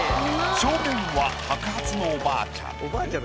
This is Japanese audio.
正面は白髪のおばあちゃん。